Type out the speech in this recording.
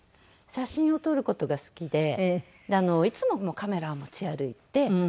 写真を撮る事が好きでいつもカメラを持ち歩いて。